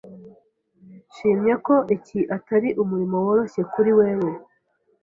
Nshimye ko iki atari umurimo woroshye kuri wewe.